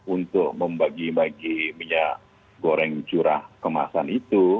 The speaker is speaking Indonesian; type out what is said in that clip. untuk membagi bagi minyak goreng curah kemasan itu